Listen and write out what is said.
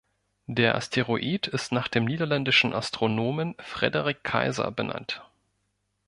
Der Asteroid ist nach dem niederländischen Astronomen Frederik Kaiser benannt.